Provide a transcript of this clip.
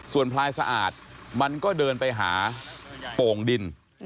ส่วนพลายสะอาดมันก็เดินไปหาโป่งดิน